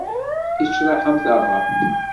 Yettraḥ am taɣaḍt.